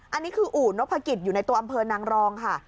อันนี้คืออู่นพกิจอยู่ในตัวอำเภอนางรองค่ะ